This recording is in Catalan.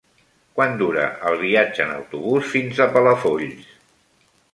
Quant dura el viatge en autobús fins a Palafolls?